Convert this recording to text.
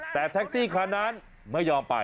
แต่แท็กซี่คันนั้นไม่ยอมไป